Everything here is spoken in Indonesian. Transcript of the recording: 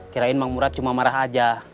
kirain bang murad cuma marah aja